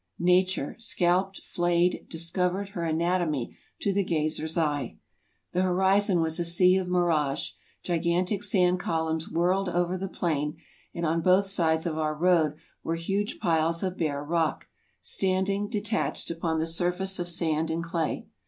Nature, scalped, flayed, discovered her anatomy to the gazer's eye. The horizon was a sea of mirage; gigantic sand columns whirled over the plain; and on both sides of our road were huge piles of bare rock, standing detached upon the surface of sand and clay.